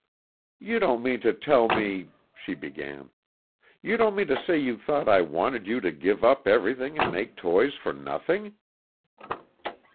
"You don't mean to tell me " she began. "You don't mean to say you thought I wanted you to give up everything and make toys for _nothing?